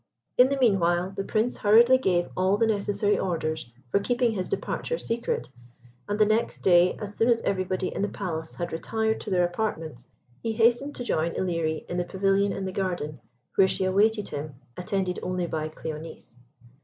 In the meanwhile, the Prince hurriedly gave all the necessary orders for keeping his departure secret, and the next day, as soon as everybody in the palace had retired to their apartments, he hastened to join Ilerie in the pavilion in the garden, where she awaited him, attended only by Cléonice.